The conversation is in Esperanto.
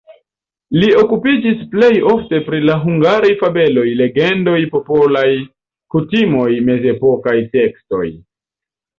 Li okupiĝis plej ofte pri la hungaraj fabeloj, legendoj, popolaj kutimoj, mezepokaj tekstoj.